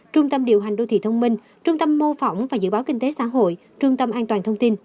trung tâm điều hành đô thị thông minh trung tâm mô phỏng và dự báo kinh tế xã hội